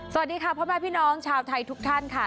สวัสดีค่ะพ่อแม่พี่น้องชาวไทยทุกท่านค่ะ